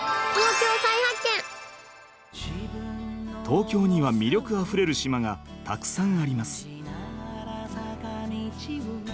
東京には魅力あふれる島がたくさんあります。